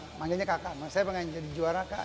saya bilang ya kakak saya pengen jadi juara kak